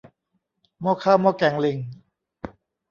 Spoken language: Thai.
หม้อข้าวหม้อแกงลิง